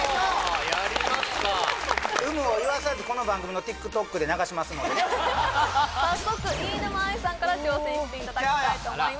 あらやりますか有無を言わさずこの番組のＴｉｋＴｏｋで流しますのでね早速飯沼愛さんから挑戦していただきたいと思います